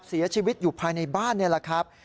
เสียชีวิตอยู่ภายในบ้านนี่แหละครับ